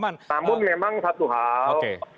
namun memang satu hal